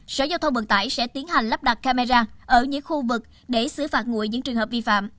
sở giao thông vận tải sẽ tiến hành lắp đặt camera ở những khu vực để xử phạt nguội những trường hợp vi phạm